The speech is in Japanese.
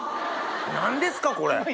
何ですかこれ。